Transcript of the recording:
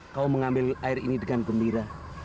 kau mengambil air ini dengan gembira